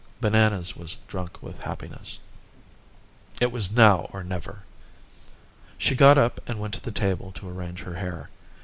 Bananas was drunk with happiness. It was now or never. She got up and went to the table to arrange her hair.